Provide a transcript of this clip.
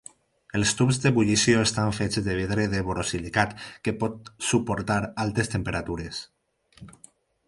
Els tubs d'ebullició estan fets de vidre de borosilicat, que pot suportar altes temperatures.